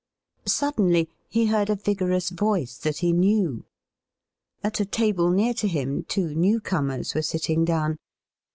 Suddenly he heard a vigorous voice that he knew. At a table near to him two new comers were sitting down.